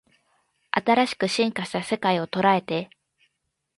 新しく進化した世界捉えて